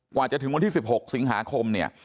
กว่าจะถึงวันที่๑๖สิงหาคม